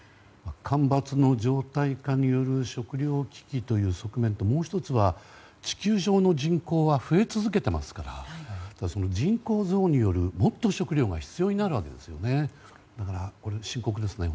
干ばつの常態化による食糧危機という側面ともう１つは、地球上の人口は増え続けていますから人口増によりもっと食糧が必要になるわけですね。